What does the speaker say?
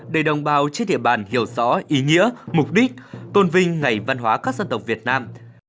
để đồng bào trên địa bàn hiểu rõ ý nghĩa mục đích tôn vinh ngày văn hóa các dân tộc việt nam